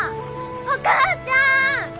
お母ちゃん！